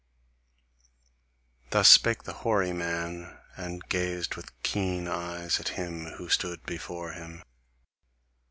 Thus spake the hoary man, and gazed with keen eyes at him who stood before him.